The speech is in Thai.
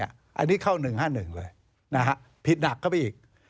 อันนี้เข้า๑๕๑เลยผิดหนักเข้าไปอีก